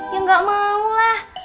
ya gak mau lah